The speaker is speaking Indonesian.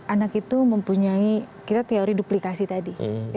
anak itu mempunyai kita teori duplikasi tadi